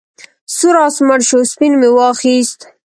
سور آس مړ شو سپین مې واخیست.